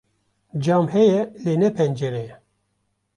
cam heye lê ne pencere ye